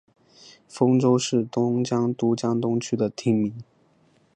丰洲是东京都江东区的町名。